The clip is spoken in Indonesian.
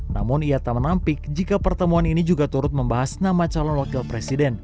namun ia tak menampik jika pertemuan ini juga turut membahas nama calon wakil presiden